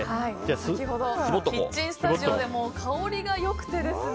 先ほど、キッチンスタジオでも香りが良くてですね。